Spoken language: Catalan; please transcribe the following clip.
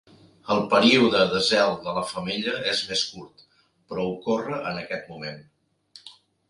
El període de zel de la femella és més curt, però ocorre en aquest moment.